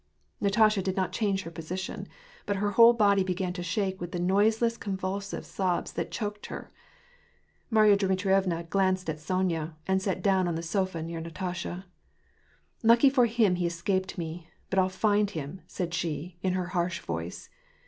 Natasha did not change her position, but her whole body began to shake with the noiseless convulsive sobs that choked her. Marya Dmitrievna glanced at Sonya, and sat down on the sofa near Natasha. "Lucky for him he escaped me; but 111 find him," said she, in her harsh voice.